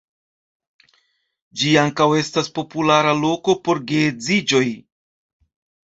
Ĝi ankaŭ estas populara loko por geedziĝoj.